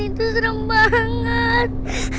itu serem banget